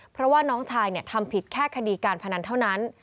เพราะว่าน้องชายทำผิดแค่คดีการพนันเท่านั้น